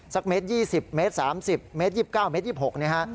สัก๑๒๐เซนติเมตร๓๐เมตร๒๙เมตร๒๖นะฮะ